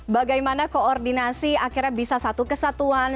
bagaimana koordinasi akhirnya bisa satu kesatuan